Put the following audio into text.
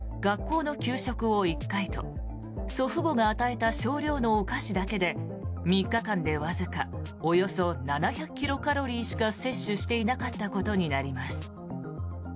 娘が３日間で食べたのは学校の給食を１回と祖父母が与えた少量のお菓子だけで３日間でわずかおよそ７００キロカロリーしか摂取していなかったことになります。